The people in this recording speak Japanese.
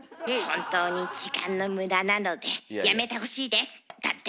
「本当に時間の無駄なのでやめてほしいです」だって。